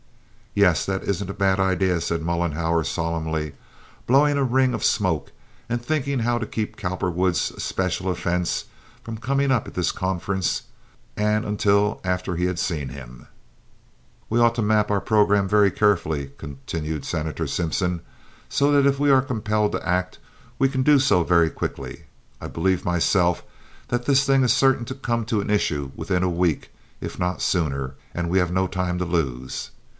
"Yes, that isn't a bad idea," said Mollenhauer, solemnly, blowing a ring of smoke, and thinking how to keep Cowperwood's especial offense from coming up at this conference and until after he had seen him. "We ought to map out our program very carefully," continued Senator Simpson, "so that if we are compelled to act we can do so very quickly. I believe myself that this thing is certain to come to an issue within a week, if not sooner, and we have no time to lose.